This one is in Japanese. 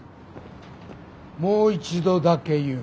もう一度だけ言う。